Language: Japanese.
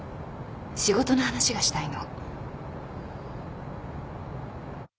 仕事の話がしたいの。